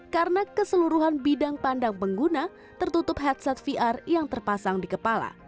karena keseluruhan bidang pandang pengguna tertutup headset vr yang terpasang di kepala